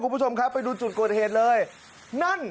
คุณผู้ชมครับไปดูจุดเกิดเหตุเลยนั่น